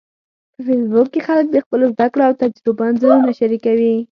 په فېسبوک کې خلک د خپلو زده کړو او تجربو انځورونه شریکوي